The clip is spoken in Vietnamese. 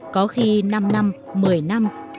có khi năm năm một mươi năm